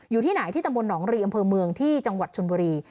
อยู่ที่ไหนที่ตำบลหนองรีอำเภอเมืองที่จังหวัดชนบุรี